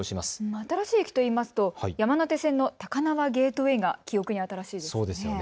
新しい駅といいますと山手線の高輪ゲートウェイが記憶に新しいですね。